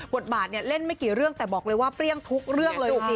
บทบาทเนี่ยเล่นไม่กี่เรื่องแต่บอกเลยว่าเปรี้ยงทุกเรื่องเลย